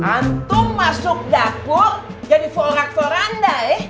anto masuk dapur jadi forak foranda